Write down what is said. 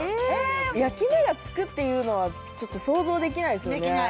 焼き目がつくっていうのはちょっと想像できないですよね